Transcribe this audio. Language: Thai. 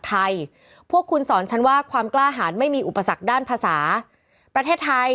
พวกคุณสอนฉันว่าความกล้าหารไม่มีอุปสรรคด้านภาษาประเทศไทย